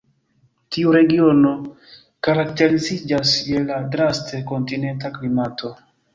Tiu regiono karakteriziĝas je la draste kontinenta klimato.